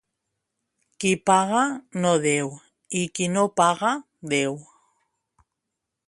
Qui paga, no deu; i qui no paga, deu.